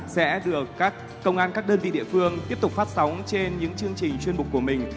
sẽ được các công an các đơn vị địa phương tiếp tục phát sóng trên những chương trình chuyên mục của mình